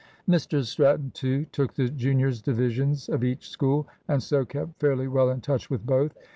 Mr Stratton, too, took the juniors' divisions of each school, and so kept fairly well in touch with both.